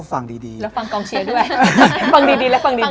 ฟังดีแล้วฟังดี